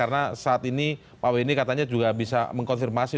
karena saat ini pak weni katanya juga bisa mengkonfirmasi untuk ini